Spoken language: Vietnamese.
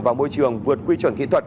và môi trường vượt quy chuẩn kỹ thuật